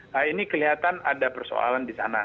nah ini kelihatan ada persoalan disana